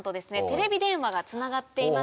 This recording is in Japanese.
テレビ電話がつながっていますので。